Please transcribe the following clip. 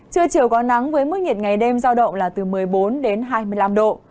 trưa chiều có nắng với mức nhiệt ngày đêm giao động là từ một mươi bốn đến hai mươi năm độ